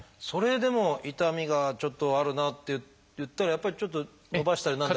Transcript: それでも痛みがちょっとあるなといったらやっぱりちょっと伸ばしたり。